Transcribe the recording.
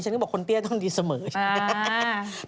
ฉันก็บอกว่าคนเตี้ยต้องดีเสมอใช่ไหม